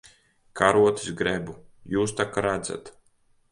Karotes grebu. Jūs tak redzat.